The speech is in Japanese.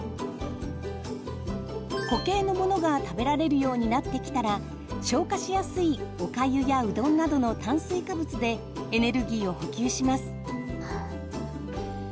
固形のものが食べられるようになってきたら消化しやすいおかゆやうどんなどの炭水化物でエネルギーを補給します。